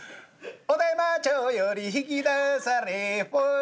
「小伝馬町より引き出されほい」